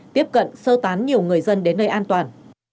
tiếp cận sơ tán nhiều người dân đến nơi an toàn